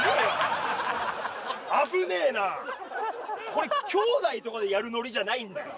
これ兄弟とかでやるノリじゃないんだよ